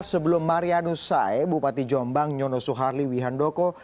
sebelum marianusai bupati jombang nyono soeharli wihandoko